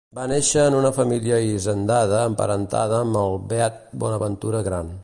Va néixer en una família hisendada emparentada amb el beat Bonaventura Gran.